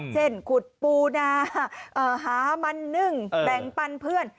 เช่นขุดปูนาหามันนึ่งแบ่งปันเพื่อน